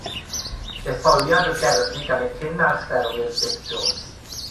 Detholiad o gerddi gan y cyn-archdderwydd Dic Jones.